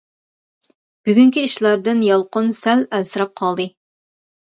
بۈگۈنكى ئىشلاردىن يالقۇن سەل ئەنسىرەپ قالدى.